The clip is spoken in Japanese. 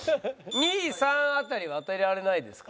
２３辺りは当てられないですか？